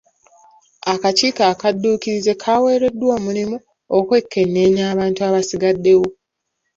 Akakiiko akadduukirize kaweereddwa omulimu okwekenneenya abantu abasigaddewo.